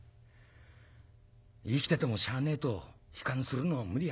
生きててもしゃあねえと悲観するのも無理はねえやな。